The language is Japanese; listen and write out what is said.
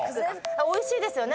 おいしいですよね。